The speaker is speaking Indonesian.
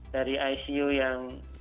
dari icu yang